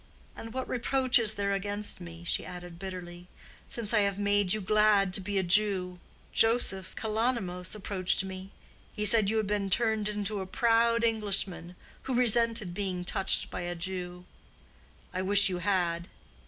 And what reproach is there against me," she added bitterly, "since I have made you glad to be a Jew? Joseph Kalonymos reproached me: he said you had been turned into a proud Englishman, who resented being touched by a Jew. I wish you had!"